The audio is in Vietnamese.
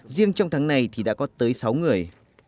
riêng trong tháng này thì đã có tới sáu người